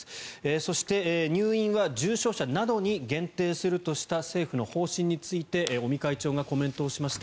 そして、入院は重症者などに限定するとした政府の方針について尾身会長がコメントしました。